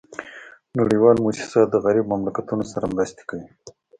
نړیوال موسسات د غریبو مملکتونو سره مرستي کوي